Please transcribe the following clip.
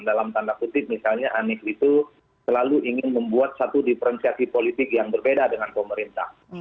dalam tanda kutip misalnya anies itu selalu ingin membuat satu diferensiasi politik yang berbeda dengan pemerintah